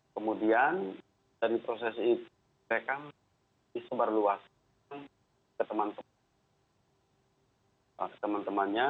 kemudian dari proses itu mereka disebarluaskan ke teman temannya